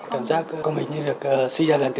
cảm giác con mình như được suy ra lần thứ hai